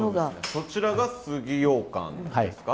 そちらが杉ようかんですか？